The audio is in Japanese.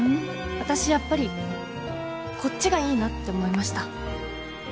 私やっぱりこっちがいいなって思いました。